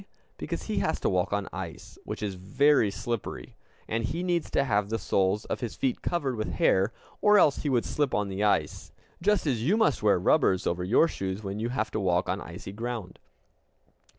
Because he has to walk on ice, which is very slippery, and he needs to have the soles of his feet covered with hair, or else he would slip on the ice, just as you must wear rubbers over your shoes when you have to walk on icy ground.